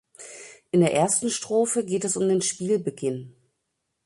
In der ersten Strophe geht es um den Spielbeginn.